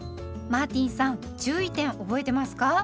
マーティンさん注意点覚えてますか？